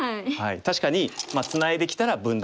確かにツナいできたら分断。